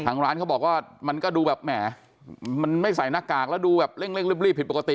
ทางร้านเขาบอกว่ามันก็ดูแบบแหมมันไม่ใส่หน้ากากแล้วดูแบบเร่งรีบผิดปกติ